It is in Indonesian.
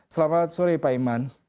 selamat sore pak iman